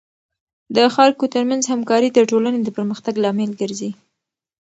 د خلکو ترمنځ همکاري د ټولنې د پرمختګ لامل ګرځي.